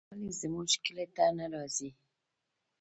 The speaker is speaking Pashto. ولې زموږ کلي ته نه راځې ته